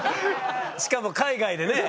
しかも海外でね。